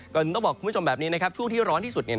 ต้องบอกคุณผู้ชมแบบนี้ช่วงที่ร้อนที่สุด